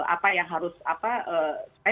apa yang harus apa